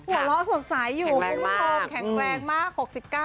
หัวเราะสดใสอยู่คุณผู้ชมแข็งแรงมาก